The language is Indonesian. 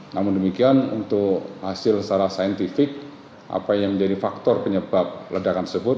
namun demikian untuk hasil secara saintifik apa yang menjadi faktor penyebab ledakan tersebut